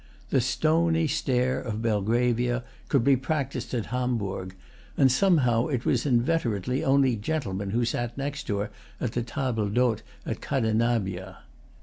The stony stare of Belgravia could be practised at Homburg; and somehow it was inveterately only gentlemen who sat next to her at the table d'hôte at Cadenabbia.